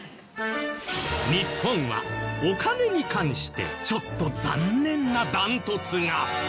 日本はお金に関してちょっと残念なダントツが。